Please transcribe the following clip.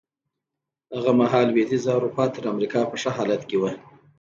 هغه مهال لوېدیځه اروپا تر امریکا په ښه حالت کې وه.